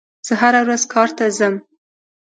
زه هره ورځ کار ته ځم.